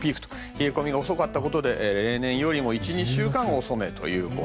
冷え込みが遅かったことで例年より１２週間遅めだと。